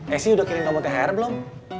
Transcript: esy udah kirim kamu thr belum